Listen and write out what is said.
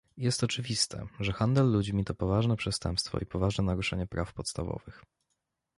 Jest oczywiste, że handel ludźmi to poważne przestępstwo i poważne naruszenie praw podstawowych